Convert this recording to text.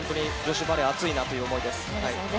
女子バレー熱いなという思いです。